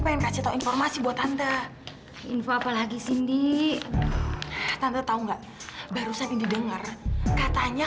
aku tidak tahu sama siapa kamu mila yang berwarna ingatmu